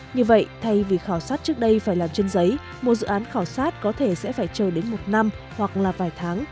như vậy thay vì khảo sát trước đây phải làm trên giấy một dự án khảo sát có thể sẽ phải chờ đến một năm hoặc là vài tháng